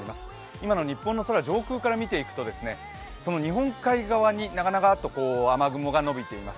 今の日本の空、上空から見ていくと日本海側に長々と雨雲がのびています。